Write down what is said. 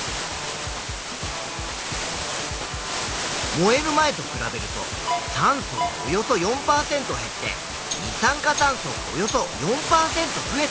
燃える前と比べると酸素がおよそ４％減って二酸化炭素がおよそ４％増えた。